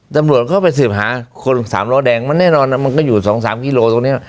ตำรวจเข้าไปสืบหาคนสามล้อแดงมันแน่นอนมันก็อยู่สองสามกิโลตรงเนี้ย